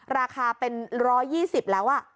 ราคาเป็น๑๒๐แล้ว